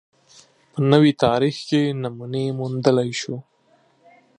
په نوي تاریخ کې نمونې موندلای شو